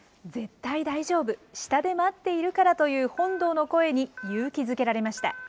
絶対大丈夫、下で待っているからという本堂の声に勇気づけられました。